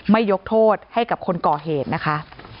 ยกโทษให้กับคนก่อเหตุนะคะ